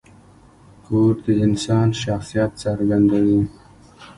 کور د انسان شخصیت څرګندوي.